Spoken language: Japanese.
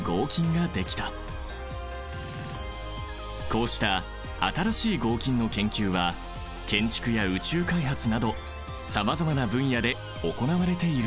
こうした新しい合金の研究は建築や宇宙開発などさまざまな分野で行われているんだ。